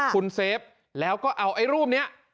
คุณเซฟแล้วก็เอาไอ้รูปนี้